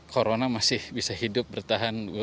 corona masih bisa hidup bertahan